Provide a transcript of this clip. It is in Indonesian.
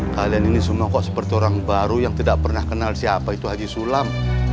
kalian ini semua kok seperti orang baru yang tidak pernah kenal siapa itu haji sulam